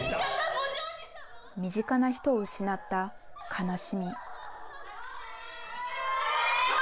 身近な人を失った悲しみ。